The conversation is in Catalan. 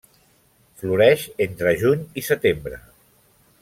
Floreix entre juny i setembre.